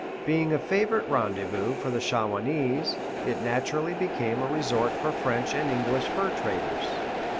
Being a favorite rendezvous for the Shawanese, it naturally became a resort for French and English fur traders.